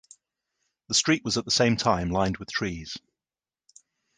The street was at the same time lined with trees.